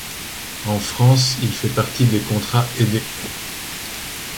En France, il fait partie des contrats aidés.